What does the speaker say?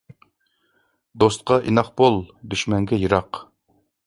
دوستقا ئىناق بول، دۈشمەنگە يىراق.